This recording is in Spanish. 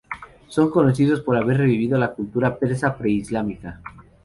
Son conocidos por haber revivido la cultura persa pre-islámica.